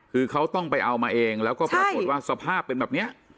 คือเขาต้องไปเอามาเองแล้วก็ปรากฏว่าสภาพเป็นแบบนี้